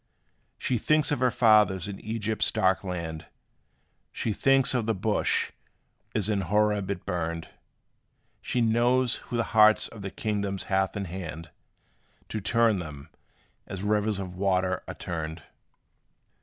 She thinks of her fathers in Egypt's dark land She thinks of the bush, as in Horeb it burned; She knows who the hearts of the kings hath in hand, To turn them, as rivers of water are turned.